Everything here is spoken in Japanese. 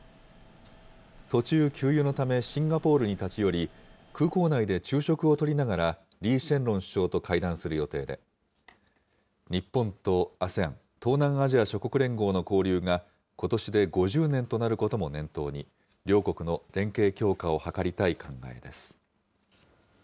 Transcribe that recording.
途中、給油のためシンガポールに立ち寄り、空港内で昼食をとりながら、リー・シェンロン首相と会談する予定で、日本とＡＳＥＡＮ・東南アジア諸国連合の交流がことしで５０年となることも念頭に、両国の連携強化を図りたい考えです。